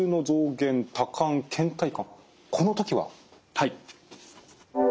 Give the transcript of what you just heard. はい。